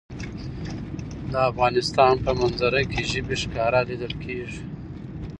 د افغانستان په منظره کې ژبې ښکاره لیدل کېږي.